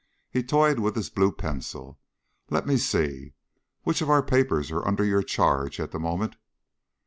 He toyed with his blue pencil. "Let me see, which of our papers are under your charge at the moment?"